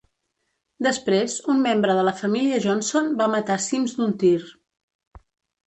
Després, un membre de la família Johnson va matar Sims d'un tir.